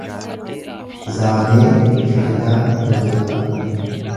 Zaanee Sharidaa Toleeraa